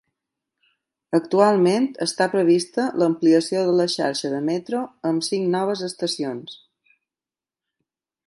Actualment està prevista l'ampliació de la xarxa de metro amb cinc noves estacions.